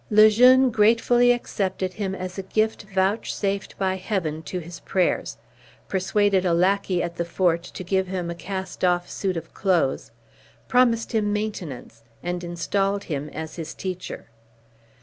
Le Jeune gratefully accepted him as a gift vouchsafed by Heaven to his prayers, persuaded a lackey at the fort to give him a cast off suit of clothes, promised him maintenance, and installed him as his teacher.